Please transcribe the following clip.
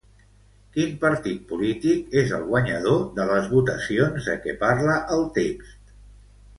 Quin partit polític és el guanyador de les votacions de què parla el text?